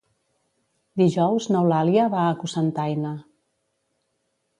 Dijous n'Eulàlia va a Cocentaina.